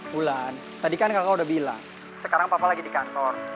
bulan tadi kan kakak udah bilang sekarang papa lagi di kantor